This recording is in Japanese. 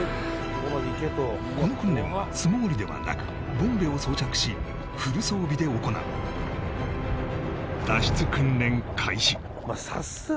この訓練は素潜りではなくボンベを装着しフル装備で行う脱出訓練開始